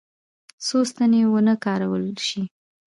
څو ستنې ونه کارول شي.